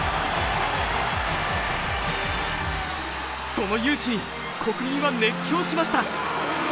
その雄姿に国民は熱狂しました。